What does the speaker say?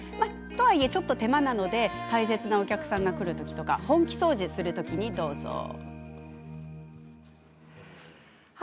とはいえ、ちょっと手間なので大切なお客さんが来るときとか本気掃除のときにどうぞ。